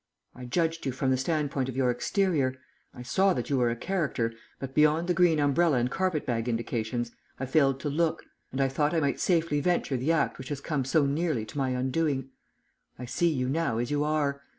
I judged you from the standpoint of your exterior; I saw that you were a character, but beyond the green umbrella and carpet bag indications I failed to look, and I thought I might safely venture the act which has come so nearly to my undoing. I see you now as you are.